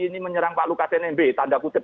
ini menyerang pak luka tnmb tanda kutip